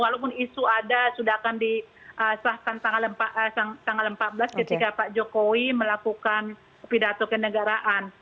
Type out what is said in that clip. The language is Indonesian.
walaupun isu ada sudah akan disahkan tanggal empat belas ketika pak jokowi melakukan pidato kenegaraan